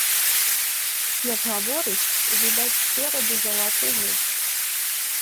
Як гаворыць, відаць спераду залаты зуб.